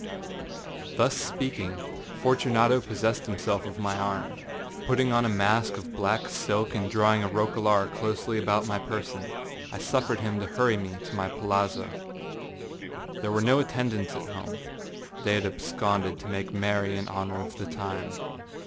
â Thus speaking, Fortunato possessed himself of my arm. Putting on a mask of black silk, and drawing a roquelaire closely about my person, I suffered him to hurry me to my palazzo. There were no attendants at home; they had absconded to make merry in honor of the time.